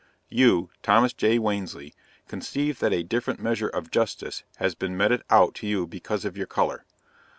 You, Thomas J. Wansley, conceive that a different measure of justice has been meted out to you, because of your color.